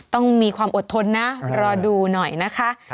ต้องมีความอดทนนะรอดูหน่อยนะคะ